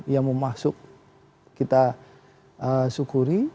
yang mau masuk kita syukuri